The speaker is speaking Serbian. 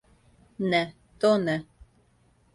Не, то не.